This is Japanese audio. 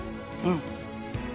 うん。